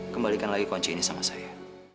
kembalikan lagi kunci ini sama saya